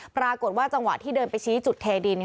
ปรากฏว่าจังหวะที่เดินไปชี้จุดเทดิน